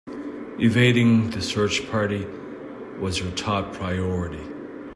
Evading the search party was her top priority.